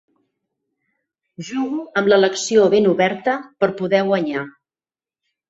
Jugo amb l'elecció ben oberta per poder guanyar.